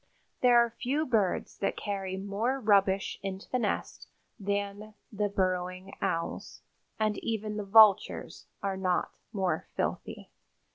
There are few birds that carry more rubbish into the nest than the Burrowing Owls, and even the vultures are not more filthy."